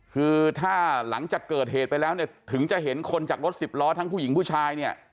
คือถ้าหลังจากเกิดเหตุไปแล้วเนี่ยถึงจะเห็นคนจากรถสิบล้อทั้งผู้หญิงผู้ชายเนี่ย